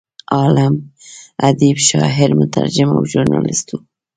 عالم، ادیب، شاعر، مترجم او ژورنالست و.